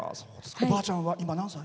おばあちゃんは今、何歳？